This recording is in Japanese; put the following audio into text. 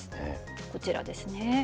こちらですね。